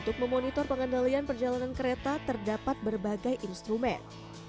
untuk memonitor pengendalian perjalanan kereta terdapat berbagai instrumen